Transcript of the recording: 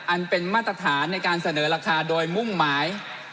อันเป็นมาตรฐานในการเสนอราคาโดยมุ่งหมาย